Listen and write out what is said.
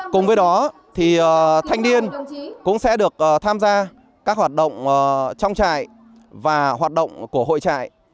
cùng với đó thì thanh niên cũng sẽ được tham gia các hoạt động trong trại và hoạt động của hội trại